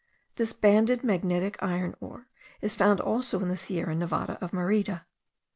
This banded magnetic iron ore is found also in the Sierra Nevada of Merida.